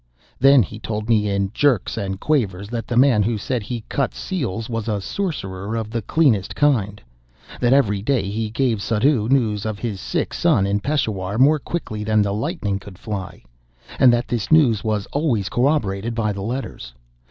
Then he told me, in jerks and quavers, that the man who said he cut seals was a sorcerer of the cleanest kind; that every day he gave Suddhoo news of his sick son in Peshawar more quickly than the lightning could fly, and that this news was always corroborated by the letters.